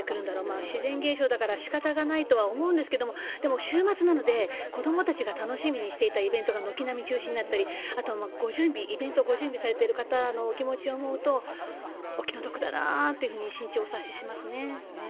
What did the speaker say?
まあ自然現象だからしかたがないとは思うんですけれども、だけど週末なので、子どもたちが楽しみにしていたイベントが軒並み中止になったり、あとはご準備、イベントをご準備されてる方のお気持ちを思うと、お気の毒だなーっていうふうに心中お察ししますね。